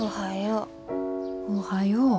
おはよう。